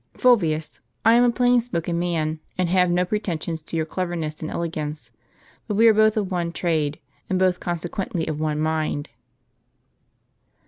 "Fulvius, I am a plain spoken man, and have no preten sions to your cleverness and elegance ; but we are both of one trade, and both consequently of one mind."